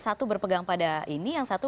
satu berpegang pada ini yang satu